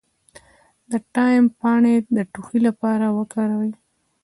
د تایم پاڼې د ټوخي لپاره وکاروئ